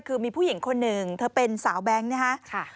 คือมีผู้หญิงคนหนึ่งเธอเป็นสาวแบงค์นะฮะ